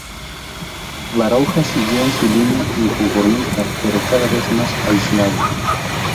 Baroja siguió en su línea inconformista pero cada vez más aislado.